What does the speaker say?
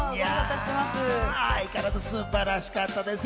相変わらず、すんばらしかったですよ！